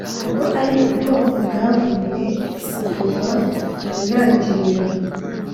kuko ari ubwoko bwavumwe kuva mu ntangiriro.